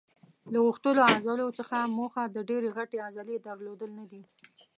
له غښتلو عضلو څخه موخه د ډېرې غټې عضلې درلودل نه دي.